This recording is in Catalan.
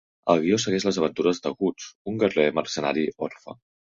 El guió segueix les aventures de Guts, un guerrer mercenari orfe.